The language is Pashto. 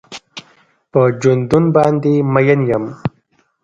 په ژوندون باندې مين يم.